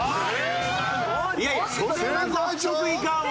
それは納得いかんわ。